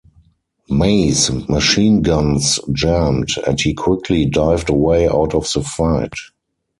May's machine guns jammed, and he quickly dived away out of the fight.